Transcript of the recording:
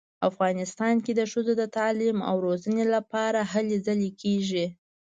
افغانستان کې د ښځو د تعلیم او روزنې لپاره هلې ځلې کیږي